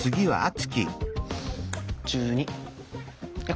１２。